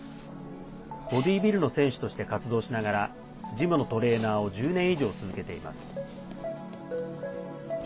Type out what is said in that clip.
ボディービルの選手として活動しながらジムのトレーナーを１０年以上続けています。